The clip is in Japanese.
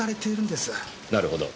なるほど。